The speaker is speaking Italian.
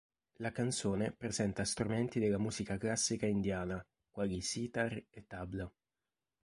La canzone presenta strumenti della musica classica indiana quali sitar e tabla.